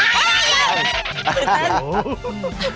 สุดท้าย